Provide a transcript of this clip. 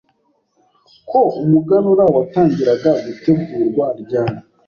ko umuganura watangiraga gutegurwa ryari